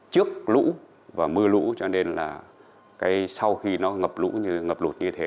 trước lũ và mưa lũ cho nên là sau khi nó ngập lũ như ngập lụt như thế